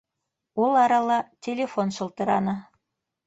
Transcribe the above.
- Ул арала телефон шылтыраны.